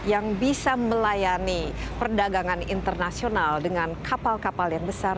yang bisa melayani perdagangan internasional dengan kapal kapal yang besar